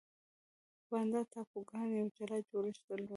بانډا ټاپوګان یو جلا جوړښت درلود.